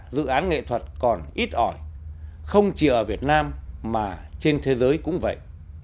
dự án nghệ thuật còn ít ỏi không chỉ ở việt nam mà trên thế giới cũng vậy